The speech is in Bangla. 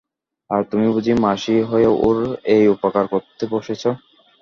আর তুমি বুঝি মাসি হয়ে ওর এই উপকার করতে বসেছ।